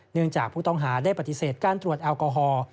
เนื่องจากผู้ต้องหาได้ปฏิเสธการตรวจแอลกอฮอล์